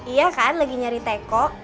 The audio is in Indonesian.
iya kan lagi nyari teko